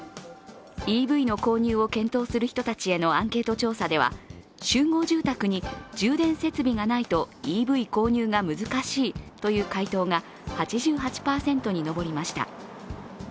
ＥＶの購入を検討する人たちへのアンケート調査では、集合住宅に充電設備がないとＥＶ購入が難しいという回答が８８％に上りました。